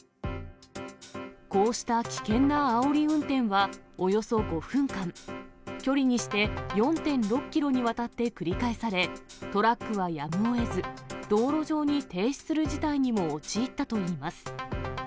こうした危険なあおり運転はおよそ５分間、距離にして４．６キロにわたって繰り返され、トラックはやむをえず、道路上に停止する事態にも陥ったといいます。